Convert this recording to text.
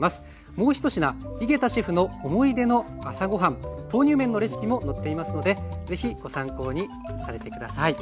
もう１品井桁シェフの思い出の朝ごはん豆乳麺のレシピも載っていますのでぜひご参考にされて下さい。